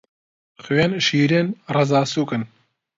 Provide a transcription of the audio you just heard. خوێن شیرن، ڕەزا سووکن